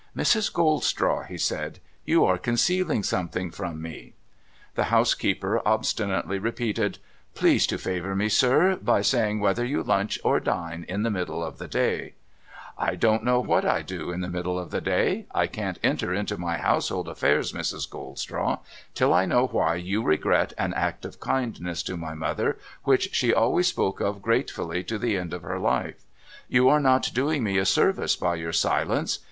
' Mrs. Goldstraw,' he said, ' you are concealing something from me !' The housekeeper obstinately repeated, ' Please to favour me, sir, by saying whether you lunch, or dine, in the middle of the day ?'' I don't know what I do in the middle of the day. I can't enter into my household affairs, Mrs. Goldstraw, till I know why you regret an act of kindness to my mother, which she always spoke of gratefully to the end of her life. You are not doing me a service by your silence.